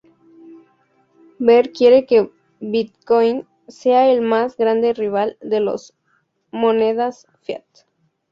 Ver quiere que bitcoin sea el más grande rival de las monedas fiat.